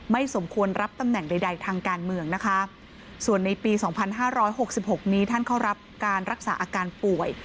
สมควรรับตำแหน่งใดทางการเมืองนะคะส่วนในปี๒๕๖๖นี้ท่านเข้ารับการรักษาอาการป่วย